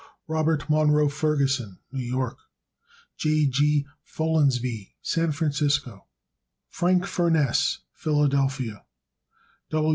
Robert Munro Ferguson, New York. J. G. Follansbee, San Francisco, Cal. Frank Furness, Philadelphia, Pa.